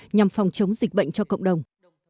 nhằm phòng chống dịch bệnh cho cộng đồng